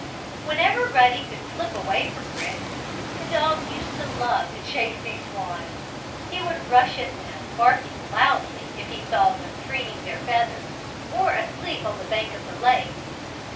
Whenever Ruddy could slip away from Rick, the dog used to love to chase these swans. He would rush at them barking loudly, if he saw them preening their feathers, or asleep on the bank of the lake.